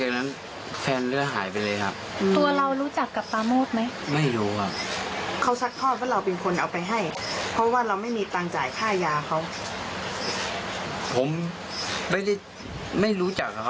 แล้วก็คือไม่ได้ติดฆ่ายาไหมครับ